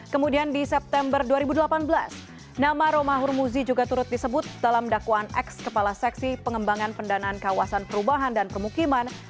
kemudian di september dua ribu delapan belas nama romahur muzi juga turut disebut dalam dakwaan ex kepala seksi pengembangan pendanaan kawasan perubahan dan permukiman